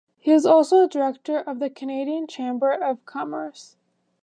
He is also a director of the Canadian Chamber of Commerce.